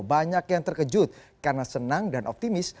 banyak yang terkejut karena senang dan optimis